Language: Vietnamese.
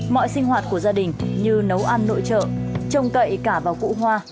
mọi sinh hoạt của gia đình như nấu ăn nội trợ trông cậy cả vào cụ hoa